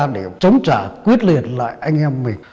để chống trả quyết liệt lại anh em mình